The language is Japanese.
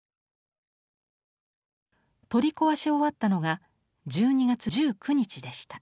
取り壊し終わったのが１２月１９日でした。